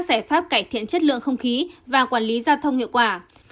giải pháp cải thiện chất lượng không khí và quản lý giao thông hiệu quả